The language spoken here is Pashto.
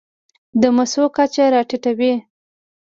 د مسو کچه راټېته وي.